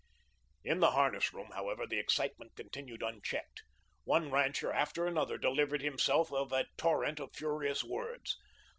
In the harness room, however, the excitement continued unchecked. One rancher after another delivered himself of a torrent of furious words.